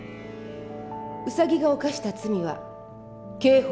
ウサギが犯した罪は刑法